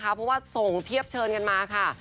เพราะว่าส่งเทียบเชิญกันมาค่ะ